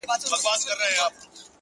له ګودره یمه ستړی له پېزوانه یمه ستړی٫